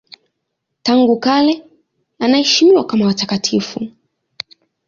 Tangu kale anaheshimiwa kama watakatifu.